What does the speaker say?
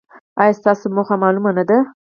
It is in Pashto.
ایا ستاسو موخه معلومه نه ده؟